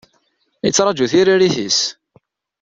Yettraju tiririt-is.